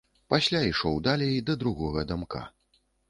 Пасля ішоў далей, да другога дамка.